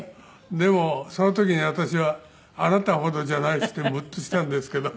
でもその時に私は「あなたほどじゃないです」ってムッとしたんですけど。